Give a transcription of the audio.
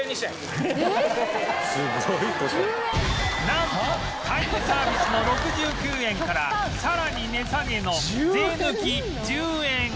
なんとタイムサービスの６９円からさらに値下げの税抜き１０円